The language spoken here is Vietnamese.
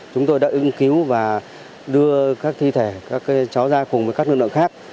chúng tôi đã ứng cứu và đưa các thi thể các cháu ra cùng với các lực lượng khác